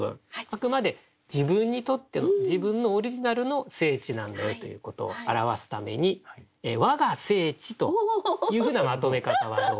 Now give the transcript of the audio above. あくまで自分にとっての自分のオリジナルの聖地なんだよということを表すために「わが聖地」というふうなまとめ方はどうかなと思ったんです。